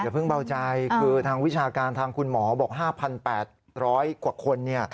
เพิ่งเบาใจคือทางวิชาการทางคุณหมอบอก๕๘๐๐กว่าคน